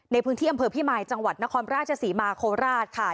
ในพื้นที่อำเภอพิมายจังหวัดนครราชศรีมาโคราชค่ะ